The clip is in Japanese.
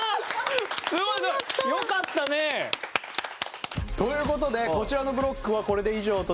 すごいすごい。よかったね！という事でこちらのブロックはこれで以上となります。